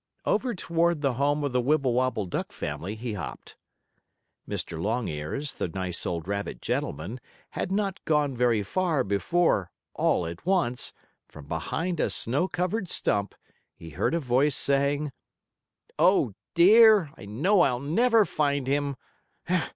Over toward the home of the Wibblewobble duck family he hopped. Mr. Longears, the nice old rabbit gentleman, had not gone very far before, all at once, from behind a snow covered stump, he heard a voice saying: "Oh, dear! I know I'll never find him!